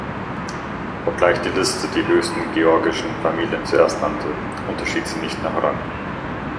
Obgleich die Liste die höchsten georgischen Familien zuerst nannte, unterschied sie nicht nach Rang.